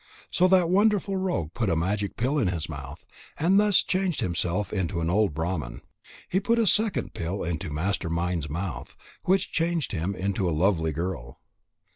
So that wonderful rogue put a magic pill in his mouth, and thus changed himself into an old Brahman. He put a second pill into Master mind's mouth, which changed him into a lovely girl.